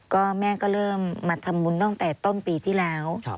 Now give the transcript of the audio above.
ก็แม่ก็เริ่มมาทำบุญตั้งแต่ต้นปีที่แล้ว